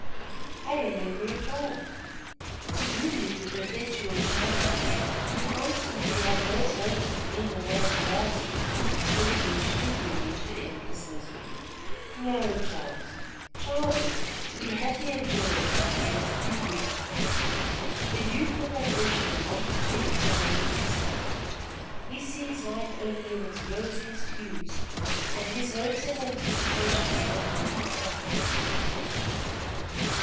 "I remember it all." "To doom you to perpetual childhood, to constantly have those hopes of being a man blasted would eventually bring you to endless misery. No, Charles, childhood, to be happy and joyous, must be brief. The youth with ambition longs to enter man's estate. He sees life only in its rosiest hues, and his hopes and anticipations form half his happiness."